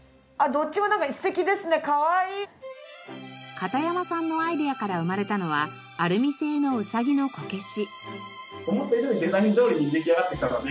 片山さんのアイデアから生まれたのはアルミ製のうさぎのこけし。